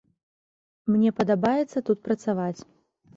Мне падабаецца тут працаваць.